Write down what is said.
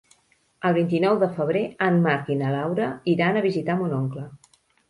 El vint-i-nou de febrer en Marc i na Laura iran a visitar mon oncle.